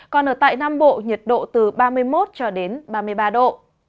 còn ở tại nam bộ nhiệt độ từ ba mươi một cho đến ba mươi ba độ